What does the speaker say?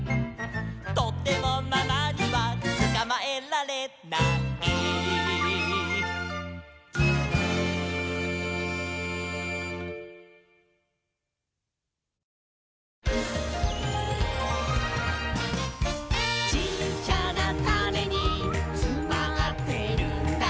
「とてもママにはつかまえられない」「ちっちゃなタネにつまってるんだ」